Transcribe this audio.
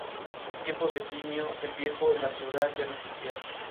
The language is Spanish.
En tiempos de Plinio el Viejo, la ciudad ya no existía.